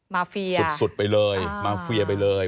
มาเฟียร์อเจมส์สุดไปเลยมาเฟียร์ไปเลย